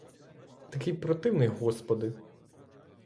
Такий противний — господи!